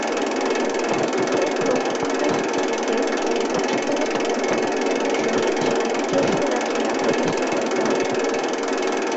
বস্তুত ক্রমবিকাশবাদকে উচ্চতর পদার্থবিজ্ঞানের সহিত সামঞ্জস্য রাখিয়া প্রতিষ্ঠা করিতে হইবে।